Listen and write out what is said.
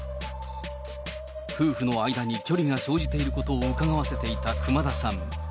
夫婦の間に距離が生じていることをうかがわせていた熊田さん。